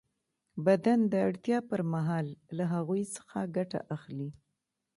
بدن د اړتیا پر مهال له هغوی څخه ګټه اخلي.